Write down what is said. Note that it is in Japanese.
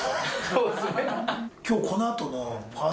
そうですよね。